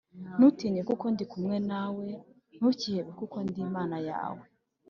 ” “ntutinye kuko ndi kumwe na we, ntukihebe kuko ndi imana yawe